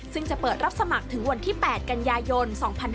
ซึ่งจะเปิดรับสมัครถึงวันที่๘กันยายน๒๕๖๒